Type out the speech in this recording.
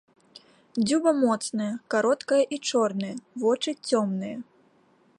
Дзюба моцная, кароткая і чорная, вочы цёмныя.